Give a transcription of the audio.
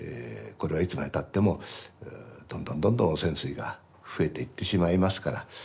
これはいつまでたってもどんどんどんどん汚染水が増えていってしまいますから。